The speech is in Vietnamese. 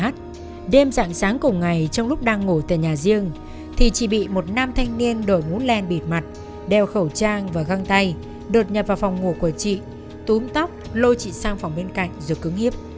đêm dạng sáng cùng ngày trong lúc đang ngủ tại nhà riêng thì chỉ bị một nam thanh niên đổi mũ len bịt mặt đeo khẩu trang và găng tay đột nhập vào phòng ngủ của chị túm tóc lôi chị sang phòng bên cạnh rồi cứng hiếp